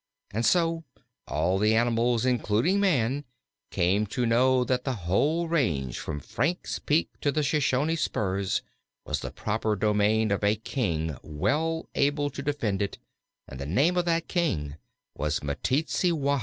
And so all the animals, including man, came to know that the whole range from Frank's Peak to the Shoshone spurs was the proper domain of a king well able to defend it, and the name of that king was Meteetsee Wahb.